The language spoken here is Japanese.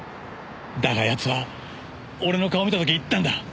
だが奴は俺の顔を見た時言ったんだ。